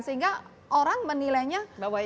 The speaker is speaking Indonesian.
sehingga orang menilainya